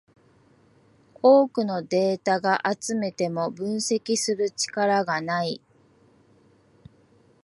多くのデータが集めても分析する力がない